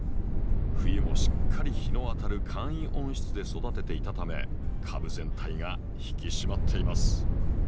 冬もしっかり日の当たる簡易温室で育てていたため株全体が引き締まっています。